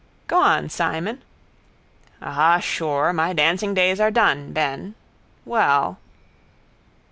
—Go on, Simon. —Ah, sure, my dancing days are done, Ben... Well...